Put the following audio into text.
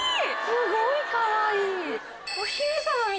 すごいかわいい。